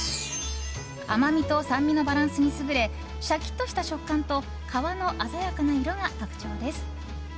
甘みと酸味のバランスに優れシャキッとした食感と皮の鮮やかな色が特徴です。